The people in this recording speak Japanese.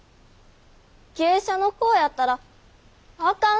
芸者の子やったらあかん？